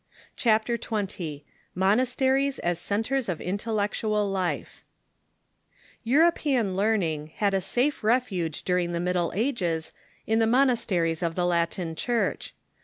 CHAPTER XX MOXASTERIES AS CENTRES OF INTELLECTUAL LIFE EuiiOPEAN learning had a safe refuge during the Middle Ages in the monasteries of the Latin Church.